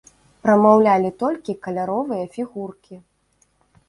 Прамаўлялі толькі каляровыя фігуркі.